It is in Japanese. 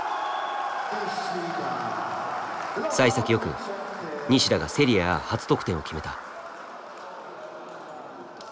さい先よく西田がセリエＡ初得点を決めた。